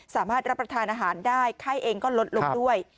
รับประทานอาหารได้ไข้เองก็ลดลงด้วย